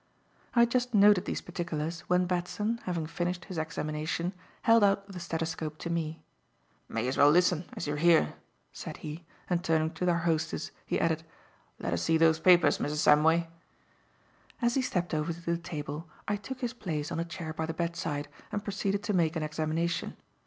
I had just noted these particulars when Batson, having finished his examination, held out the stethoscope to me. "May as well listen, as you're here," said he, and, turning to our hostess, he added: "Let us see those papers, Mrs. Samway." As he stepped over to the table, I took his place on a chair by the bedside and proceeded to make an examination.